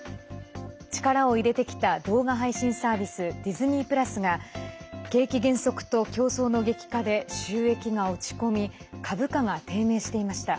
力を入れてきた動画配信サービスディズニープラスが景気減速と競争の激化で収益が落ち込み株価が低迷していました。